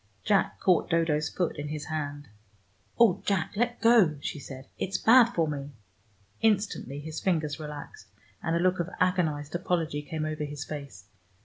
Jack caught Dodo's foot in his hand. "Oh, Jack, let go," she said. "It's bad for me." Instantly his fingers relaxed; and a look of agonized apology came over his face.